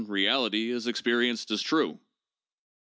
. reality is experienced as true?'